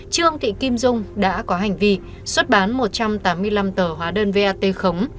trương thị kim dung đã có hành vi xuất bán một trăm tám mươi năm tờ hóa đơn vat khống